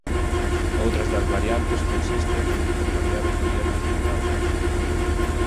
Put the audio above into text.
Outras das variantes consisten en intercambiar o poliedro utilizado.